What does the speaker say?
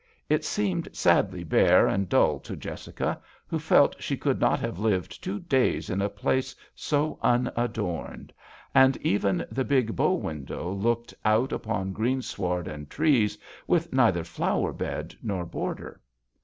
It seemed sadly bare and dull to Jessica, who felt she 72 THB VIOLIN OBBLIGATO. could not have lived two days in a place so unadorned, and even the big bow window looked out upon greensward and trees, with neither flower bed nor border.